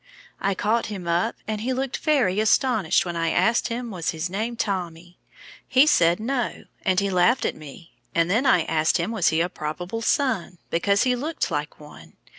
I caught him up, and he looked very astonished when I asked him was his name Tommy. He said, 'No,' and he laughed at me, and then I asked him was he a probable son, because he looked like one.